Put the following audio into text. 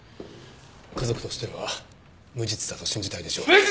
家族としては無実だと信じたいでしょう。